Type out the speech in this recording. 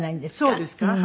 そうですか。